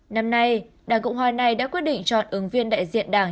năm nay đảng cộng hòa này đã quyết định chọn ứng viên đại diện đảng